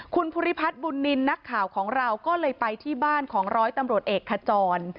คุณภูริพัฒน์บุญนินทร์นักข่าวของเราก็เลยไปที่บ้านของร้อยตำรวจเอกขจร